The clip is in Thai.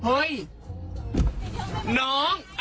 พี่มา